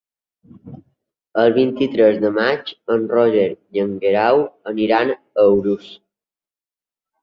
El vint-i-tres de maig en Roger i en Guerau aniran a Urús.